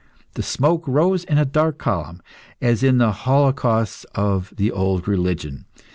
The smoke rose in a dark column, as in the holocausts of the old religion.